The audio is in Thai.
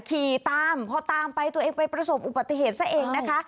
ขี่ตามพอตามไปตัวเองไปประสบอุบัติเหตุซะเองนะคะ